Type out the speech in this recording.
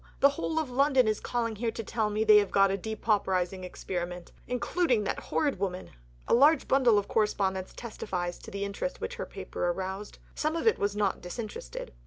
The whole of London is calling here to tell me they have got a depauperizing experiment, including that horrid woman." A large bundle of correspondence testifies to the interest which her paper aroused. Some of it was not disinterested.